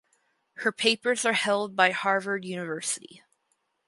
Her papers are held by Harvard University.